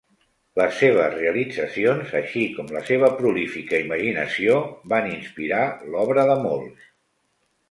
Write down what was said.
Les seves realitzacions, així com la seva prolífica imaginació, van inspirar l'obra de molts.